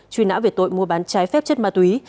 truy nã về tội mua bán trái phép chất ma túy